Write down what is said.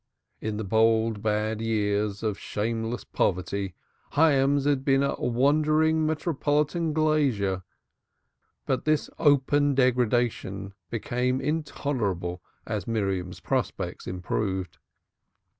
In the bold bad years of shameless poverty, Hyams had been a wandering metropolitan glazier, but this open degradation became intolerable as Miriam's prospects improved.